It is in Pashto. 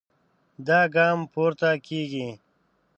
دا ګام پورته کېږي.